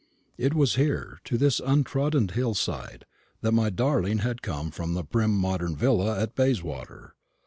It was here, to this untrodden hillside, that my darling had come from the prim modern villa at Bayswater.